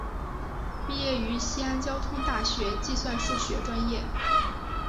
毕业于西安交通大学计算数学专业。